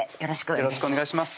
よろしくお願いします